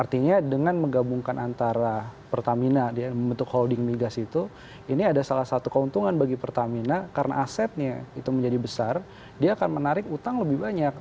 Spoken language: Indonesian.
artinya dengan menggabungkan antara pertamina dia membentuk holding migas itu ini ada salah satu keuntungan bagi pertamina karena asetnya itu menjadi besar dia akan menarik utang lebih banyak